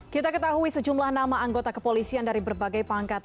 kita ketahui sejumlah nama anggota kepolisian dari berbagai pangkat